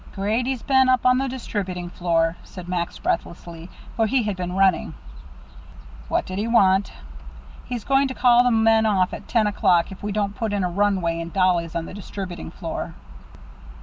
"Grady's been up on the distributing floor," said Max, breathlessly, for he had been running. "What did he want?" "He's going to call the men off at ten o'clock if we don't put in a runway and dollies on the distributing floor."